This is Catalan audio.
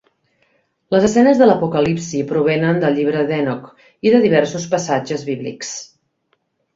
Les escenes de l'apocalipsi provenen del Llibre d'Henoc i de diversos passatges bíblics.